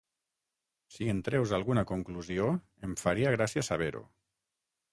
Si en treus alguna conclusió em faria gràcia saber-ho....